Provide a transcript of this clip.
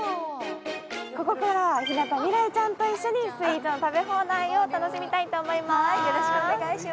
ここからは日向未来ちゃんと一緒にスイーツの食べ放題を楽しみたいと思います。